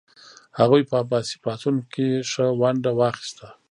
هغوی په عباسي پاڅون کې ښه ونډه واخیسته.